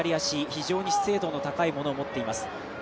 非常にステータスの高いものを持っています。